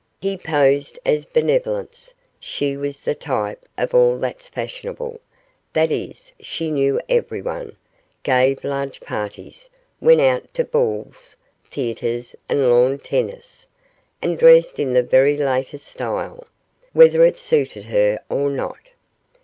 He posed as benevolence, she was the type of all that's fashionable that is, she knew everyone; gave large parties, went out to balls, theatres, and lawn tennis, and dressed in the very latest style, whether it suited her or not.